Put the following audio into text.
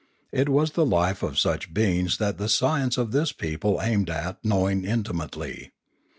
It was the life of such beings that the science of this people aimed at knowing intimately.